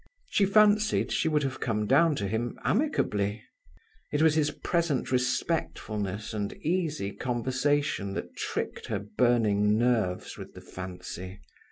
She fancied she would have come down to him amicably. It was his present respectfulness and easy conversation that tricked her burning nerves with the fancy.